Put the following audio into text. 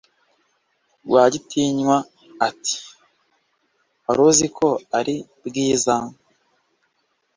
rwagitinywa ati"waruziko ari bwiza?"